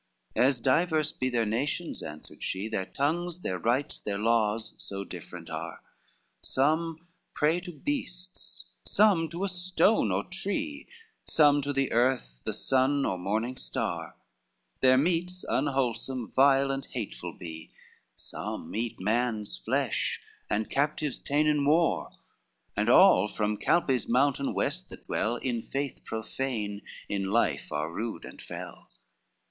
XXVIII "As diverse be their nations," answered she, "Their tongues, their rites, their laws so different are; Some pray to beasts, some to a stone or tree, Some to the earth, the sun, or morning star; Their meats unwholesome, vile, and hateful be, Some eat man's flesh, and captives ta'en in war, And all from Calpe's mountain west that dwell, In faith profane, in life are rude and fell."